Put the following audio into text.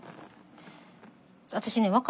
私ね